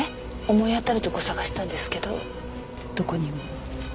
思い当たるとこ捜したんですけどどこにも。